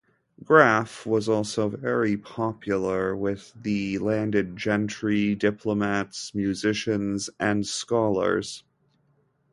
Graff was also very popular with the landed gentry, diplomats, musicians and scholars.